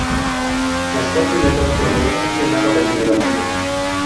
Las cuatro llantas proveen un frenado regenerativo.